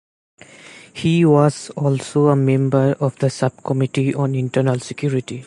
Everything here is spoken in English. He was also a member of the Subcommittee on Internal Security.